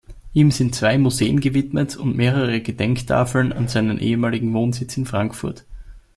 Ihm sind zwei Museen gewidmet und mehrere Gedenktafeln an seinen ehemaligen Wohnsitzen in Frankfurt.